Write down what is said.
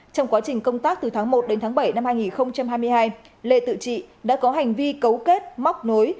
trong quá trình công tác từ tháng một đến tháng bảy năm hai nghìn hai mươi hai lê tự trị đã có hành vi cấu kết móc nối